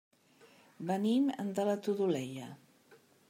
Venim de la Todolella.